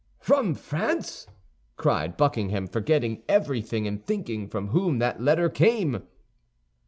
"From France!" cried Buckingham, forgetting everything in thinking from whom that letter came.